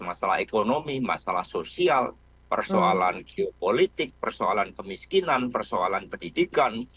masalah ekonomi masalah sosial persoalan geopolitik persoalan kemiskinan persoalan pendidikan